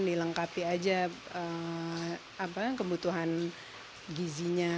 dilengkapi aja kebutuhan gizinya